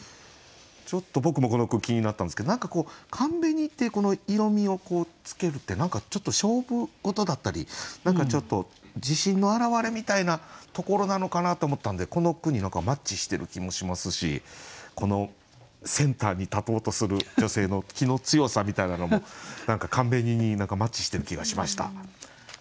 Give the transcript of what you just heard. ちょっと僕もこの句気になったんですけど何か寒紅で色みをつけるって何かちょっと勝負事だったり何かちょっと自信の表れみたいなところなのかなと思ったのでこの句にマッチしてる気もしますしこのセンターに立とうとする女性の気の強さみたいなのも何か「寒紅」にマッチしている気がしました。